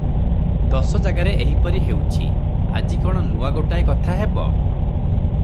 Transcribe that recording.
ଦଶ ଜାଗାରେ ଏହିପରି ହେଉଛି, ଆଜି କଣ ନୂଆ ଗୋଟାଏ କଥା ହେବ?